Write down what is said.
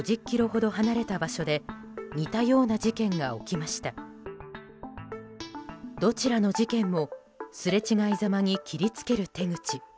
どちらの事件もすれ違いざまに切りつける手口。